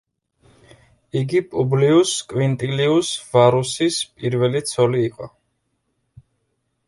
იგი პუბლიუს კვინტილიუს ვარუსის პირველი ცოლი იყო.